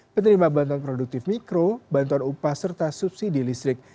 penerima bantuan produktif mikro bantuan upah serta subsidi listrik